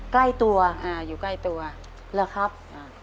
ใกล้ตัวอ่าอยู่ใกล้ตัวหรือครับอ่า